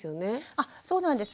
あそうなんです。